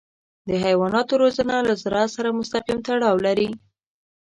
د حیواناتو روزنه له زراعت سره مستقیم تړاو لري.